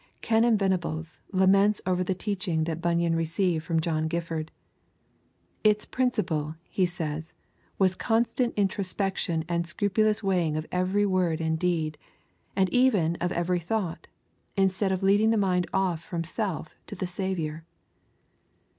Canon Venables laments over the teaching that Bunyan received from John Gifford. 'Its principle,' he says, 'was constant introspection and scrupulous weighing of every word and deed, and even of every thought, instead of leading the mind off from self to the Saviour.'